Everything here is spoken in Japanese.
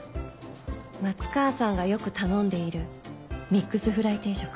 松川さんがよく頼んでいるミックスフライ定食